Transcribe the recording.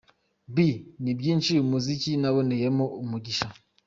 B: Ni byinshi, umuziki naboneyemo umugisha.